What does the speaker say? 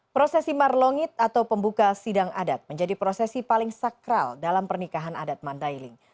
prosesi marlongit atau pembuka sidang adat menjadi prosesi paling sakral dalam pernikahan adat mandailing